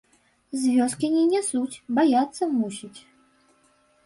З вёскі не нясуць, баяцца, мусіць.